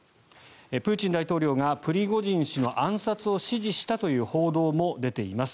プーチン大統領がプリゴジン氏の暗殺を指示したという報道も出ています。